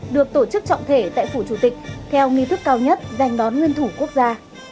được tổ chức trọng thể tại phủ chủ tịch theo nghi thức cao nhất dành đón nguyên thủ quốc gia